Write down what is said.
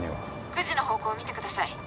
９時の方向見てください